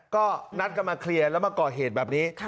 ก็นัดกันมาเคลียร์แล้วมาก่อเหตุแบบนี้